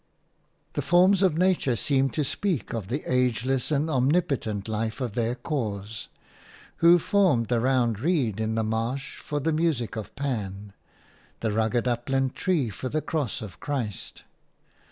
The forms of nature seem to speak of the ageless and omnipotent life of their Cause, who formed the round reed in the marsh for the music of Pan, the rugged upland tree for the cross of Christ.